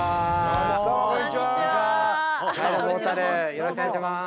よろしくお願いします。